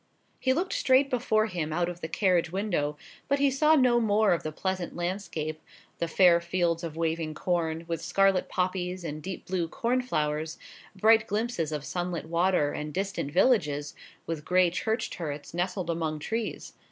He looked straight before him out of the carriage window; but he saw no more of the pleasant landscape,—the fair fields of waving corn, with scarlet poppies and deep blue corn flowers, bright glimpses of sunlit water, and distant villages, with grey church turrets, nestling among trees.